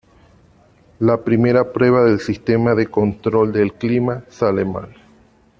La primera prueba del sistema de control del clima sale mal.